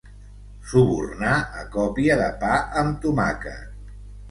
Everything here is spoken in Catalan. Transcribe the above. Subornar a còpia de pa amb tomàquet.